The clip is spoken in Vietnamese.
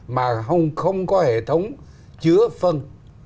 mà không có hệ thống chứa phân